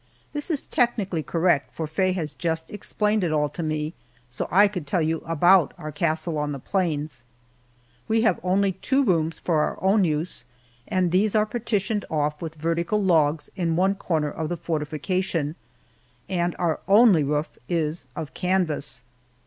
This is technically correct, for Faye has just explained it all to me, so I could tell you about our castle on the plains. We have only two rooms for our own use, and these are partitioned off with vertical logs in one corner of the fortification, and our only roof is of canvas.